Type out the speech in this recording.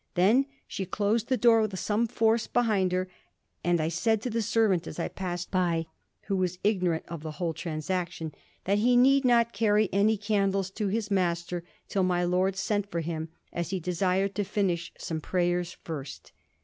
Then she closed the door with some force behind her, and * I said to the servant aar I passed by '— who waa ignorant of the whole transaction —^ that he need not carry any candles to his master till my lord sent for him, as he desired to finish some prayers first.